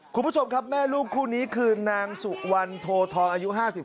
คุณผู้ชมครับแม่ลูกคู่นี้คือนางสุวรรณโททองอายุ๕๓